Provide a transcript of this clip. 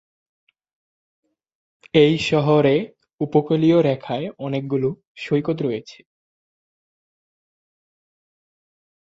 এর শহরের উপকূলীয় রেখায় অনেকগুলো সৈকত রয়েছে।